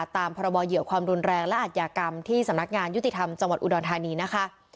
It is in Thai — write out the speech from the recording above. ตามพรบเหยื่อความรุนแรงและอาจยากรรมที่สำนักงานยุติธรรมจังหวัดอุดรธานีนะคะ